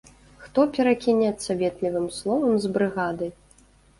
Хто перакінецца ветлівым словам з брыгадай.